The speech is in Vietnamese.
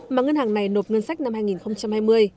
mà ngân hàng này nộp ngân sách năm hai nghìn hai mươi